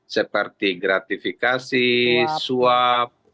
seperti gratifikasi suap